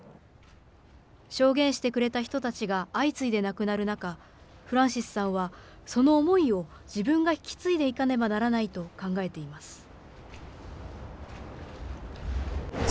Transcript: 証言してくれた人たちが相次いで亡くなる中、フランシスさんは、その思いを自分が引き継いでいかねばならないと考えています。